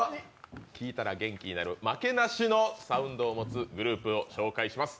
聴いたら元気になる負けなしのサウンドを持つグループを紹介します。